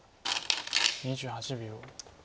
２８秒。